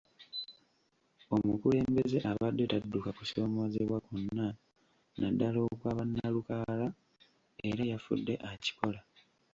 Omukulembeze abadde tadduka kusomoozebwa kwonna naddala okwa bannalukalala era yafudde akikola.